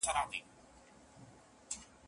په شپه کي ګرځي محتسب د بلاګانو سره